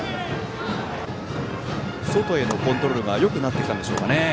外へのコントロールがよくなってきたんでしょうかね。